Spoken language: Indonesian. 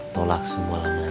tolak semua laman